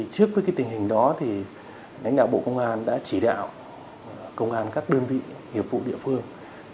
trước cái tình hình đó thì đánh đạo bộ công an đã chỉ đạo công an các đơn vị hiệp vụ địa phương